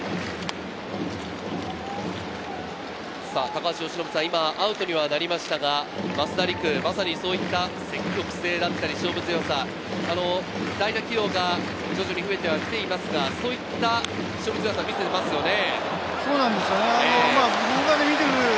高橋由伸さん、アウトにはなりましたが、増田陸、まさにそういった積極性だったり、勝負強さ、代打起用が徐々に増えては来ていますが、そういった勝負強さ、見せてますよね。